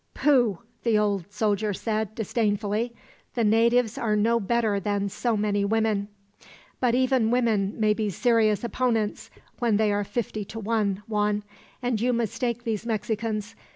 "Pooh!" the old soldier said, disdainfully. "The natives are no better than so many women." "But even women may be serious opponents, when they are fifty to one, Juan; and you mistake these Mexicans.